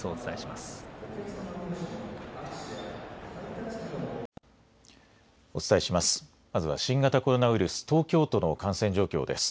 まずは新型コロナウイルス、東京都の感染状況です。